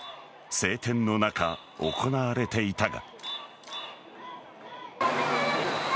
晴天の中、行われていたが。